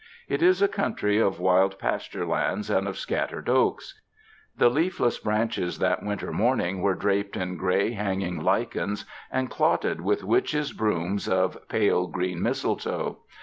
It is a country of wild pasture lands and of scattered oaks. The leafless branches that winter morning were draped in gray, hanging lichens and clotted with witches' brooms of 147 UNDER THE SKY IN CALIFORNIA pale green mistletoe.